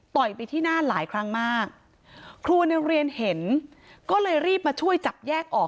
ไปที่หน้าหลายครั้งมากครูในโรงเรียนเห็นก็เลยรีบมาช่วยจับแยกออก